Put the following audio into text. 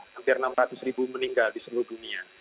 hampir enam ratus ribu meninggal di seluruh dunia